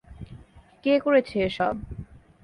কে করেছে এসব?